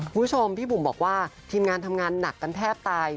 คุณผู้ชมพี่บุ๋มบอกว่าทีมงานทำงานหนักกันแทบตาย